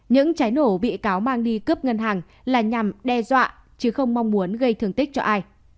những trái nổ bị cáo mang đi cướp ngân hàng là nhằm đe dọa chứ không mong muốn gây thương tích cho ai